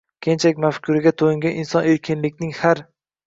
keyinchalik mafkuraga to‘yingan inson erkinlikning har